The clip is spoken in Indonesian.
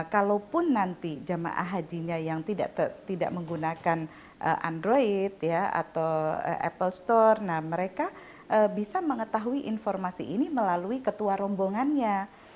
kalaupun nanti jemaah hajinya yang tidak menggunakan android ya atau apple store mereka bisa mengetahui informasi ini melalui ketua rombongannya